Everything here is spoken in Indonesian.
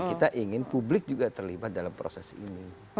kita ingin publik juga terlibat dalam proses ini